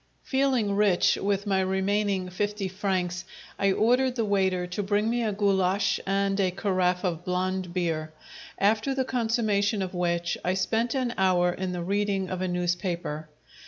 Feeling rich with my remaining fifty francs, I ordered the waiter to bring me a goulasch and a carafe of blond beer, after the consummation of which I spent an hour in the reading of a newspaper.